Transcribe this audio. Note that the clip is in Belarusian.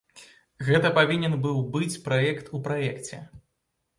Гэта павінен быў быць праект у праекце.